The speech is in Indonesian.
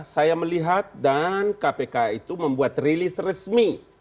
saya melihat dan kpk itu membuat rilis resmi